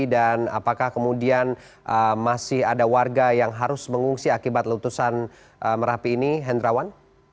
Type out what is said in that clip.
dan apakah kemudian masih ada warga yang harus mengungsi akibat lutusan merapi ini hendrawan